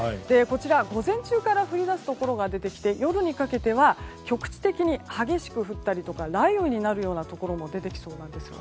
午前中から降り出すところが出てきて夜にかけては局地的に激しく降ったり雷雨になるところも出てきそうです。